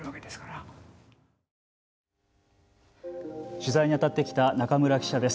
取材に当たってきた中村記者です。